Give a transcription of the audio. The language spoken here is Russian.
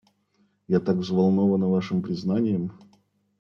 Я так взволнована Вашим признанием.